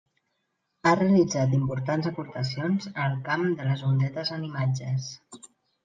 Ha realitzat importants aportacions en el camp de les ondetes en imatges.